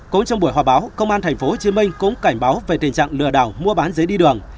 cũng trong buổi hòa báo công an tp hcm cũng cảnh báo về tình trạng lừa đảo mua bán giấy đi đường